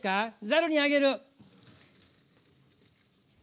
ざるにあげる。